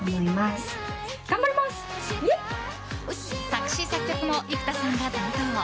作詞・作曲も幾田さんが担当。